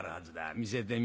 見せてみ。